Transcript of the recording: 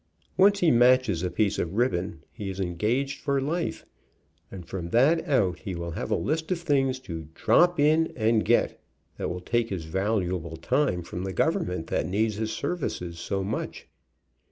Once he matches a piece of ribbon, he is engaged for life, and from that out he will have a list of things to "drop in" and get that will take his valuable time from the government that needs his services so much.